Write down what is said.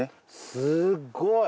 すっごい！